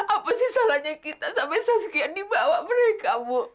apa sih salahnya kita sampai sekian dibawa mereka bu